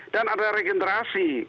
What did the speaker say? dan ada regenerasi